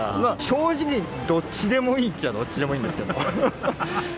正直、どっちでもいいっちゃどっちでもいいんですけど。